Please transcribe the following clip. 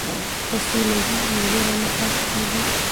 که سوله وي نو وېره نه پاتې کیږي.